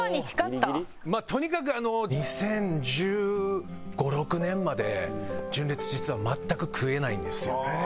とにかく２０１５２０１６年まで純烈実は全く食えないんですよ。